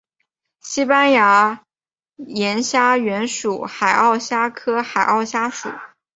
新西兰岩虾原属海螯虾科海螯虾属。